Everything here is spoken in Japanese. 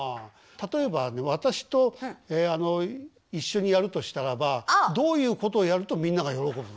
例えばね私と一緒にやるとしたらばどういうことをやるとみんなが喜ぶの？